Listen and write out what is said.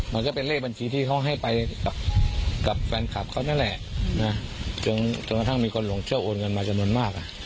มันก็เป็นเลขบัญชีที่เขาให้ไปกับแฟนคลับเขานั่นแหละจนกระทั่งมีคนหลงเชื่อโอนเงินมาจำนวนมาก